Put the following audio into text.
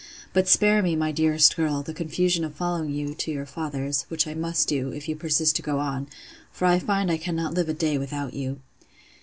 But spare me, my dearest girl! the confusion of following you to your father's; which I must do, if you persist to go on; for I find I cannot live a day without you.